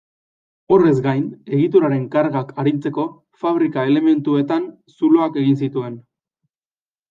Horrez gain, egituraren kargak arintzeko fabrika elementuetan zuloak egin zituen.